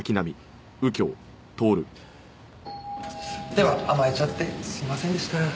では甘えちゃってすいませんでした。